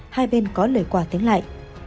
hai bên có lời quà tiếng lại